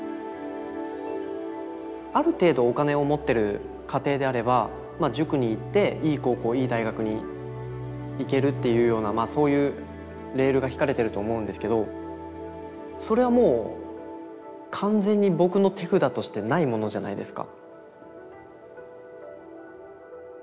ある程度お金を持ってる家庭であれば塾に行っていい高校いい大学に行けるっていうようなそういうレールがひかれてると思うんですけどそれはもう完全に僕の手札としてないものじゃないですか。